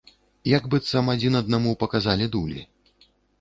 Як быццам адзін аднаму паказалі дулі.